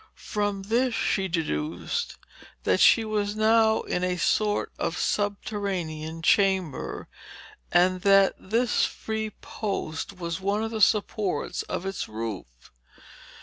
From this she deduced that she was now in a sort of subterranean chamber, and that this free post was one of the supports of its roof.